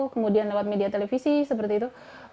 kemudian lewat media televisi seperti itu